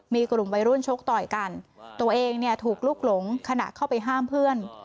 มีกลุ่มวัยรุ่นชกต่อยกันตัวเองเนี่ยถูกลุกหลงขณะเข้าไปห้ามเพื่อน